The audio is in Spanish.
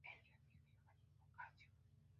Eliot o Giovanni Boccaccio.